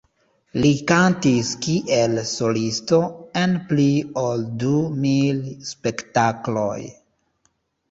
Li kantis kiel solisto en pli ol du mil spektakloj.